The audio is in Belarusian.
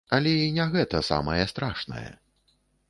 Але і не гэта самае страшнае!